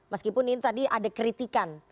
meskipun ini tadi ada kritikan